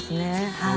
はい。